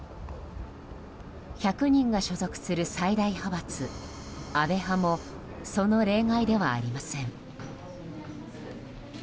１００人が所属する最大派閥安倍派もその例外ではありません。